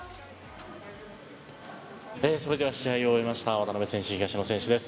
それでは試合を終えました渡辺選手、東野選手です。